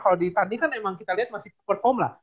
kalau ditanding kan emang kita lihat masih perform lah